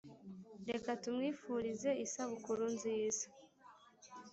reka tumwifurize isabukuru nziza